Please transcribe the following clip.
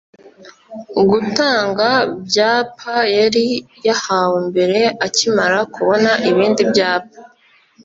gutanga byapa yari yahawe mbere akimara kubona ibindi byapa.